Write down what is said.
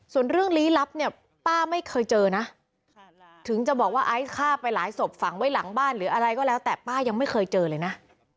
ส่วนเรื่องลี้ลับเนี่ยป้าไม่เคยเจอนะถึงจะบอกว่าไอซ์ฆ่าไปหลายศพฝังไว้หลังบ้านหรืออะไรก็แล้วแต่ป้ายังไม่เคยเจอเลยนะ